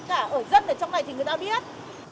cả ở dân ở trong này thì người ta biết